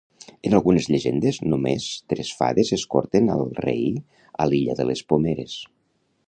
En algunes llegendes només tres fades escorten al rei a l'Illa de les Pomeres.